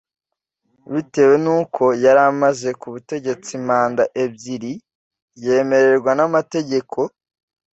bitewe n’uko yari amaze ku butegetsi manda ebyiri yemererwa n’amategeko